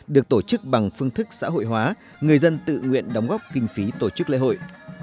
được tổ chức bằng phương thức xã hội hóa người dân tự nguyện đóng góp kinh phí tổ chức lễ hội